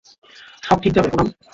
সব ঠিক যাবে, পুনাম।